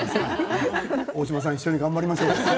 大島さん、一緒に頑張りましょう。